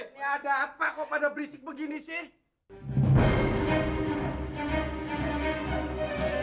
ini ada apa kok pada berisik begini sih